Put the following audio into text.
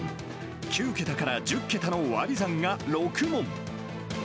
９桁から１０桁の割り算が６問。